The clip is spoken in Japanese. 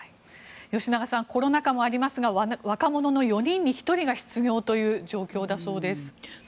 吉永さんコロナ禍もありますが若者の４人に１人が失業という状況だそうです。